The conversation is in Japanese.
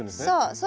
そう。